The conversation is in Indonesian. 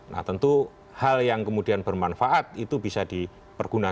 nah tentu hal yang kemudian bermanfaat itu bisa dipergunakan